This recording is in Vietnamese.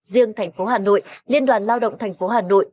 riêng tp hà nội liên đoàn lao động tp hà nội